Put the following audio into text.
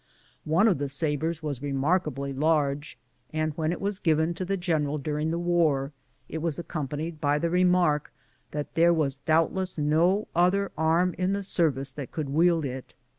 One of the sabres was remarkably large, and when it was given to the general during the war it was accompanied by the remark that there was doubtless no other arm in the service that could wield it.